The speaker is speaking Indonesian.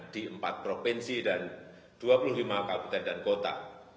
di empat provinsi dan dua puluh lima kabupaten dan kota